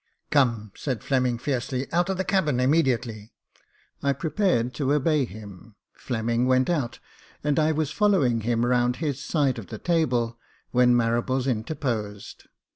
"Come," said Fleming fiercely; *' Out of the cabin immediately." I prepared to obey him. Fleming went out, and I was following him round his side of the table, when Marables interposed.